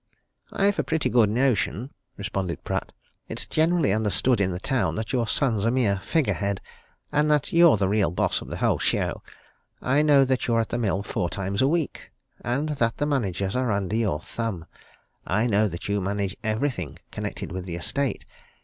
"I've a pretty good notion," responded Pratt. "It's generally understood in the town that your son's a mere figure head, and that you're the real boss of the whole show. I know that you're at the mill four times a week, and that the managers are under your thumb. I know that you manage everything connected with the estate.